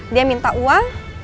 dia minta uang